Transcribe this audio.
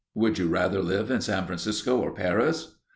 "Would you rather live in San Francisco or Paris?"